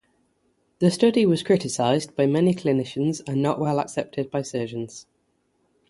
The study was criticised by many clinicians and not well accepted by surgeons.